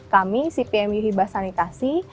kami cpmu hibah sanitasi